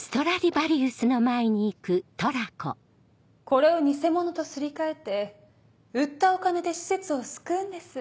これを偽物とすり替えて売ったお金で施設を救うんです。